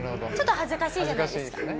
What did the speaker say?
ちょっと恥ずかしいじゃないですか。